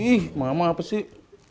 ih mama apa sih